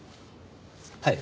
はい。